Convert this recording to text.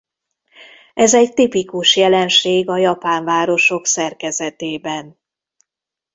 Ez egy tipikus jelenség a japán városok szerkezetében.